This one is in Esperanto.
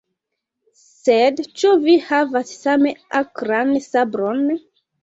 Sed ĉu vi havas same akran sabron?